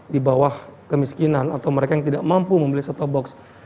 di bawah kemiskinan atau mereka yang tidak mampu membeli set top box